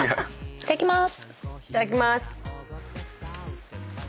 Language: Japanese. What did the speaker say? いただきます。